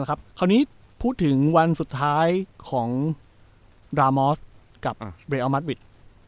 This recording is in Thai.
คราวนี้พูดถึงวันสุดท้ายของดรามอสกับเบลอัลมาร์วิท